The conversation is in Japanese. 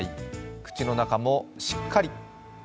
口の中もしっかり。